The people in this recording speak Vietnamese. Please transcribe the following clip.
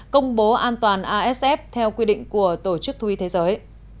công bố an toàn asf theo quy định của tổ chức thú y thế giới